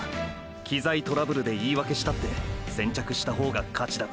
機材トラブルで言い訳したって先着した方が勝ちだ。